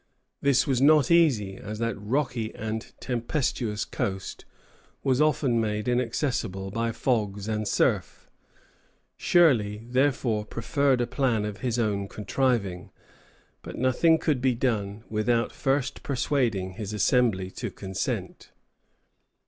This was not easy, as that rocky and tempestuous coast was often made inaccessible by fogs and surf; Shirley therefore preferred a plan of his own contriving. But nothing could be done without first persuading his Assembly to consent.